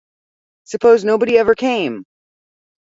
Suppose nobody ever came!